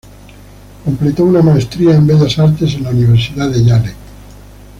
Completó una maestría en bellas artes en la Universidad de Yale.